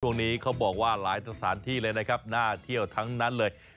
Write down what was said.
ช่วงนี้เขาบอกว่าหลายสถานที่เลยนะครับน่าเที่ยวทั้งนั้นเลย